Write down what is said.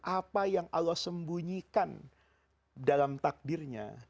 apa yang allah sembunyikan dalam takdirnya